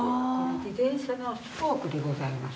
◆自転車のスポークでございます。